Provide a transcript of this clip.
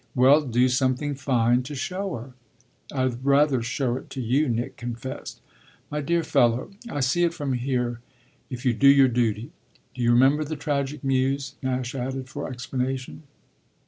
"Well, do something fine to show her." "I'd rather show it to you," Nick confessed. "My dear fellow, I see it from here if you do your duty. Do you remember the Tragic Muse?" Nash added for explanation.